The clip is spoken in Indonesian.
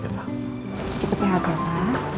semoga sehat ya pak